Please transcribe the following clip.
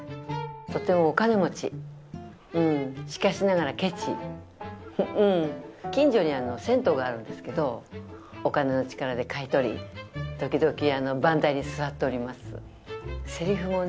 とってもお金持ちうんしかしながらケチ近所に銭湯があるんですけどお金の力で買い取り時々番台に座っておりますセリフもね